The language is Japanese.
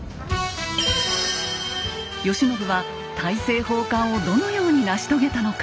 慶喜は大政奉還をどのように成し遂げたのか。